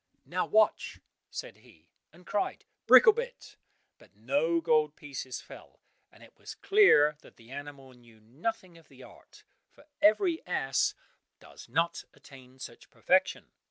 "Now watch," said he, and cried, "Bricklebrit," but no gold pieces fell, and it was clear that the animal knew nothing of the art, for every ass does not attain such perfection.